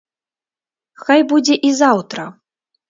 Хай будзе і заўтра.